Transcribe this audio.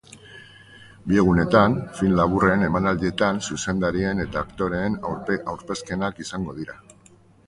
Bi egunetan, film laburren emanaldietan zuzendarien eta aktoreen aurkezpenak izango dira.